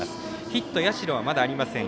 ヒット、社はまだありません。